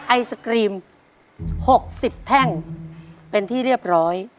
ไอศกรีม๖๐แท่งเป็นที่เรียบร้อย